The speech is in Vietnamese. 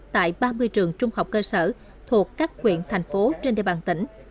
tại ba mươi trường trung học cơ sở thuộc các quyện thành phố trên địa bàn tỉnh